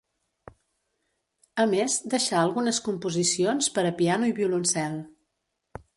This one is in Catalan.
A més, deixà algunes composicions per a piano i violoncel.